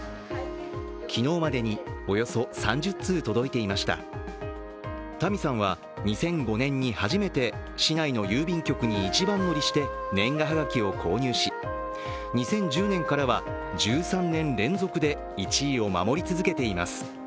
昨日までにおよそ３０通届いていましたタミさんは２００５年に初めて市内の郵便局に一番乗りして年賀はがきを購入し、２０１０年からは１３年連続で１位を守り続けています